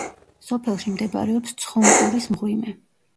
სოფელში მდებარეობს ცხუნკურის მღვიმე.